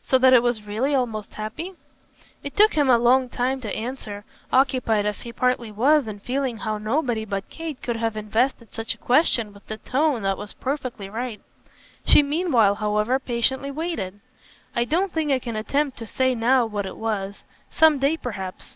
"So that it was really almost happy?" It took him a long time to answer, occupied as he partly was in feeling how nobody but Kate could have invested such a question with the tone that was perfectly right. She meanwhile, however, patiently waited. "I don't think I can attempt to say now what it was. Some day perhaps.